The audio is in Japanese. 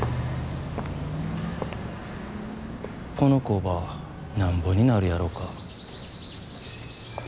この工場なんぼになるやろか。